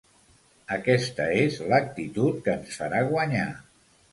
Aquesta és l’actitud que ens farà guanyar.